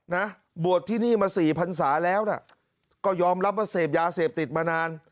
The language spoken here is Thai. นะบวชที่นี่มาสี่พันศาแล้วน่ะก็ยอมรับว่าเสพยาเสพติดมานาน